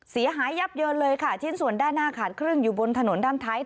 เสียหายยับเยินเลยค่ะชิ้นส่วนด้านหน้าขาดครึ่งอยู่บนถนนด้านท้าย